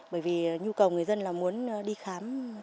bởi vì nhu cầu người dân là muốn đi khám